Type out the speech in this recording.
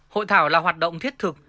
hội thảo là hoạt động thiết thực